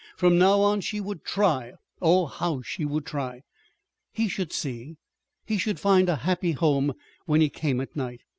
From now on she would try. Oh, how she would try! He should see. He should find a happy home when he came at night.